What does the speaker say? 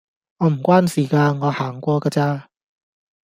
我唔關事㗎，我行過㗎咋